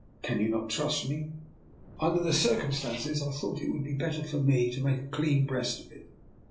Can you not trust me? " Under the circumstances I thought it would be better for me to make a clean breast of it.